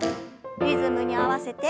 リズムに合わせて。